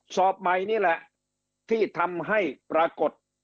สอบใหม่นี่แหละที่ทำให้ปรากฏ